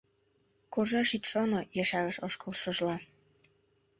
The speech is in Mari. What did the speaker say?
— Куржаш ит шоно, — ешарыш ошкылшыжла.